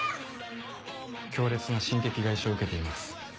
強烈な心的外傷を受けています。